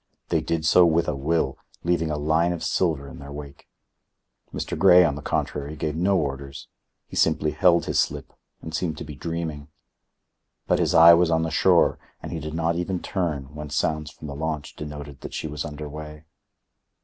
They did so with a will, leaving a line of silver in their wake. Mr. Grey, on the contrary, gave no orders. He still held his slip and seemed to be dreaming. But his eye was on the shore, and he did not even turn when sounds from the launch denoted that she was under way.